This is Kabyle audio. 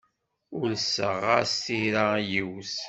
Ulseɣ-as tira i yiwet.